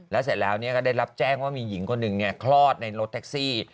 แล้วเสร็จแล้วก็ได้รับแจ้งว่ามีหญิงคนหนึ่งคลอดในรถแท็กซี่